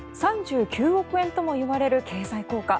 ３９億円ともいわれる経済効果。